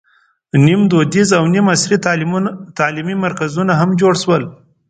نیم دودیز او نیم عصري تعلیمي مرکزونه هم جوړ شول.